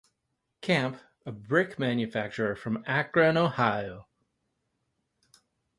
Camp, a brick manufacturer from Akron, Ohio.